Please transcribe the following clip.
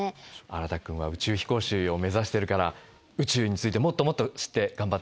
新くんは宇宙飛行士を目指してるから宇宙についてもっともっと知って頑張ってね。